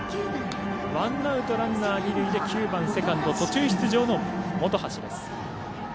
ワンアウトランナー、二塁で９番、セカンド途中出場の本橋です。